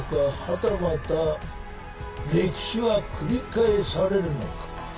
はたまた歴史は繰り返されるのか？